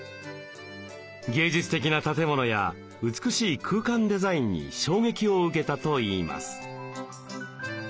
芸術的な建物や美しい空間デザインに衝撃を受けたといいます。